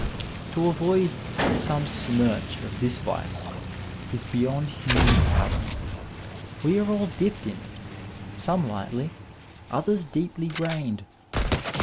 To avoid some smirch of this vice is beyond human power ; we are all dipped in it, some lightly, others deeply grained.